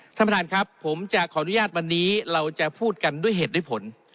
ท่านประธานครับผมจะขออนุญาตวันนี้เราจะพูดกันด้วยเหตุด้วยผล